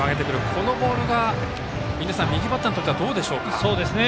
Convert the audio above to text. このボールが右バッターにとってどうでしょうか。